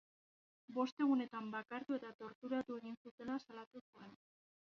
Bost egunetan bakartu eta tortulartu egin zutela salatu zuen.